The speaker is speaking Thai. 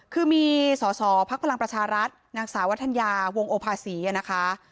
คือมีส่อพรรณประชารัฐหนังสาวธัญญาวงโอภาศีอะนะคะ